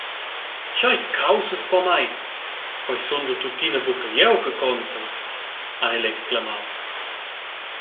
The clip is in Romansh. «Tgei caussas pomai, quei sundel tuttina buca jeu che contel», ha ella exclamau.